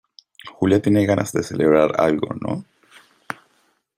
Julia tiene ganas de celebrar algo, ¿ no?